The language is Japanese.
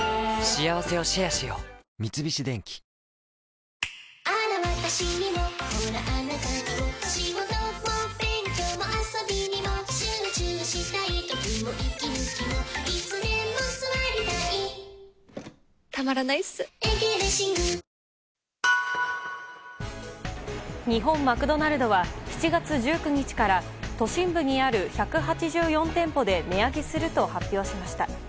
三菱電機日本マクドナルドは７月１９日から都心部にある１８４店舗で値上げすると発表しました。